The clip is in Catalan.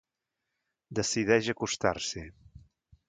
Decideix acostar-s'hi.